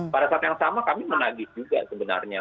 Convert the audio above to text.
pada saat yang sama kami menagih juga sebenarnya